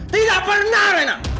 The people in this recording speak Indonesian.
tidak pernah reina